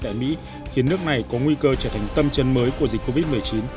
tại mỹ khiến nước này có nguy cơ trở thành tâm chân mới của dịch covid một mươi chín